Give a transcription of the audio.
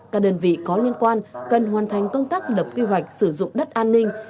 các đơn vị có liên quan cần hoàn thành công tác lập quy hoạch sử dụng đất an ninh